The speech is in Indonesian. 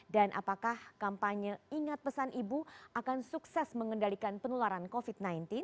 dan apakah kampanye ingat pesan ibu akan sukses mengendalikan penularan covid sembilan belas